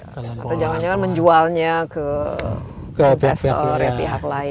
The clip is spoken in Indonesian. atau jangan jangan menjualnya ke investor oleh pihak lain